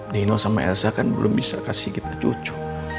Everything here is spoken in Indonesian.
nino sama elza kan belum bisa kasih kita cucu